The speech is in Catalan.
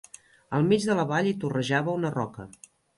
Al mig de la vall hi torrejava una roca.